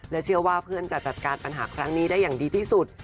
เชื่อว่าเพื่อนจะจัดการปัญหาครั้งนี้ได้อย่างดีที่สุด